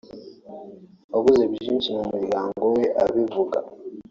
wabuze benshi mu muryango we abivuga